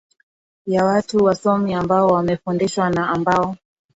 ya watu wasomi ambao wamefundishwa na ambao